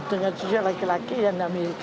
tengah cucu laki laki yang namanya rika